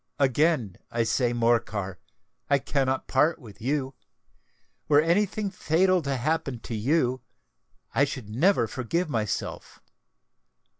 "Again, I say, Morcar, that I cannot part with you. Were any thing fatal to happen to you, I should never forgive myself.